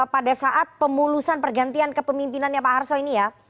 pada saat pemulusan pergantian kepemimpinannya pak harso ini ya